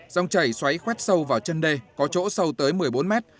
dòng chảy xoáy khoét sâu vào chân đê có chỗ sâu tới một mươi bốn mét